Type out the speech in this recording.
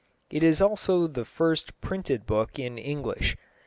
It is also the first printed book in English.